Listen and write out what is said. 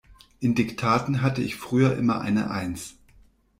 In Diktaten hatte ich früher immer eine eins.